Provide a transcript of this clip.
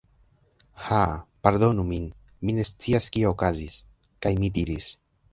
Haa... pardonu min... mi ne scias kio okazis. kaj mi diris: